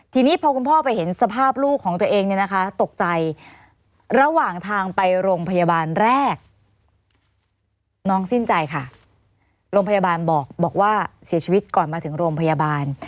ทีนี้พอคุณพ่อไปเห็นสภาพลูกของตัวเองเนี่ยนะคะตกใจระหว่างทางไปโรงพยาบาลแรกน้องสิ้นใจค่ะโรงพยาบาลบอกว่าเสียชีวิตก่อนมาถึงโรงพยาบาล